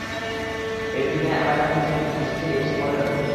এই দুনিয়ায় আমায় পাঠিয়েছেন নিশ্চয়ই এই সময়টার জন্য!